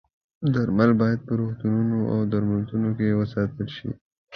درمل باید په روغتونونو او درملتونونو کې وساتل شي.